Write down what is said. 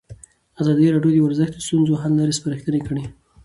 ازادي راډیو د ورزش د ستونزو حل لارې سپارښتنې کړي.